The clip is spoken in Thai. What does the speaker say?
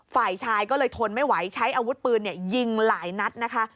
ฝ่ายชายก็เลยทนไม่ไหวใช้อาวุธปืนยิงหลายนัดนะคะ